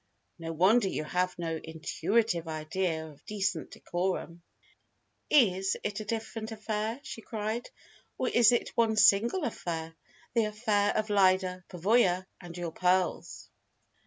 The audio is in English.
No wonder you have no intuitive idea of decent decorum." "Is it a different affair?" she cried. "Or is it one single affair the affair of Lyda Pavoya and your pearls?"